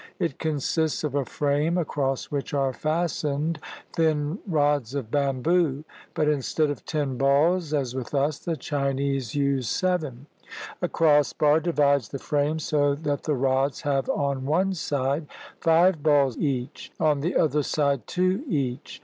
It consists of a frame across which are fastened thin rods of bamboo. But instead of ten balls, as with us, the Chinese use seven. A cross bar divides the frame, so that the rods have on one side five balls each, on the other side two each.